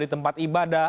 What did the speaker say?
di tempat ibadah